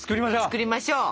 作りましょう！